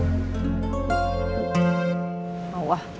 tidak ada yang bisa dikira